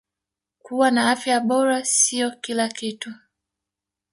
Kuwa na afya bora sio kila kitu